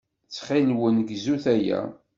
Ttxil-wen, gzut aya.